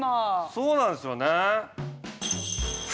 そうなんですよね。